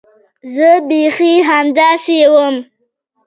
زه بيخي همداسې وم.